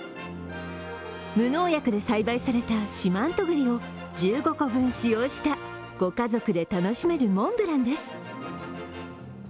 無農薬で栽培された四万十栗を１５個分使用した御家族で楽しめるモンブランです。